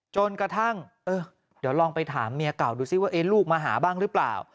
จนกระทั่งเดี๋ยวลองไปถามเมียเก่าดูซิว่าลูกมาหาบ้างหรือเปล่า